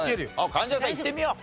貫地谷さんいってみよう。